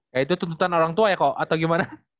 ya itu tuntutan orang tua ya kok atau gimana